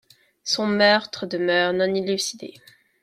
Son meurtre demeure non élucidé.